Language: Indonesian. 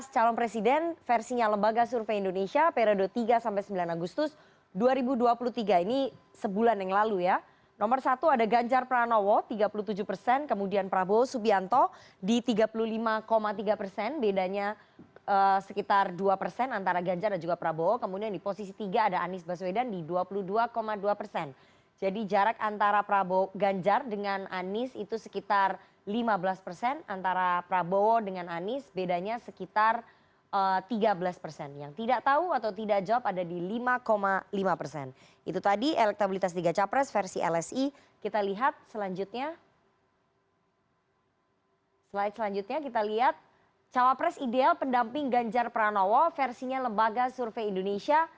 cawapres ideal pendamping ganjar pranowo versinya lembaga survei indonesia